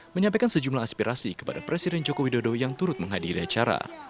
menyampaikan sejumlah aspirasi kepada presiden joko widodo yang turut menghadiri acara